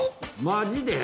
マジで！